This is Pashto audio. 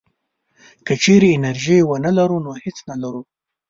که چېرې انرژي ونه لرو نو هېڅ نه لرو.